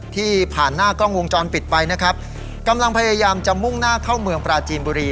ผ่านหน้ากล้องวงจรปิดไปนะครับกำลังพยายามจะมุ่งหน้าเข้าเมืองปราจีนบุรี